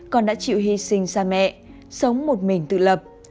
con đã chịu hy sinh xa mẹ sống một mình tự lập